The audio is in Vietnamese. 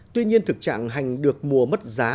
tuy nhiên thực trạng hành được mùa mất giá